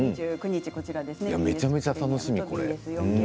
めちゃめちゃ楽しみ、これ。